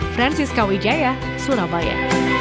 francisca wijaya surabaya